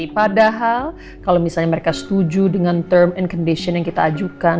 padahal kalau misalnya mereka setuju dengan term and condition yang kita ajukan